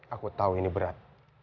aku tahu ini berat